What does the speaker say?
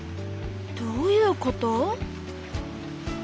どういうこと？